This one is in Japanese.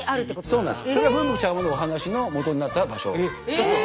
そうなんです。